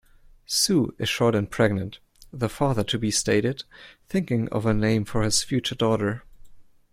"Sue is short and pregnant", the father-to-be stated, thinking of a name for his future daughter.